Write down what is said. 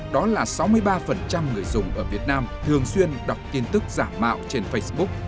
đó là sáu mươi ba người dùng ở việt nam thường xuyên đọc tin tức giả mạo trên facebook